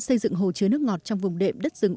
xây dựng hồ chứa nước ngọt trong vùng đệm đất rừng